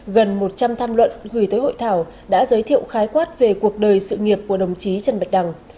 gần một trăm linh tham luận gửi tới hội thảo đã giới thiệu khái quát về cuộc đời sự nghiệp của đồng chí trần bạch đằng